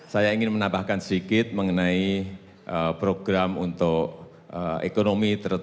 saya ingin menambahkan sedikit mengenai program untuk ekonomi